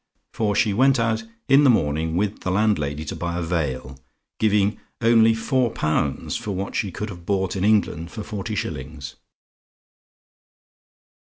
For she went out in the morning with the landlady to buy a veil, giving only four pounds for what she could have bought in England for forty shillings!"